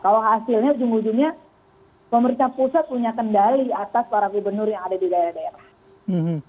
kalau hasilnya ujung ujungnya pemerintah pusat punya kendali atas para gubernur yang ada di daerah daerah